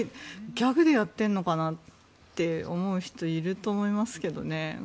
ギャグでやってるのかなと思う人いると思いますけどね。